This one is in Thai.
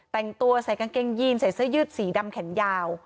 แต่งตัวใส่กางเกงยีนใส่เสื้อยืดสีดำแขนยาว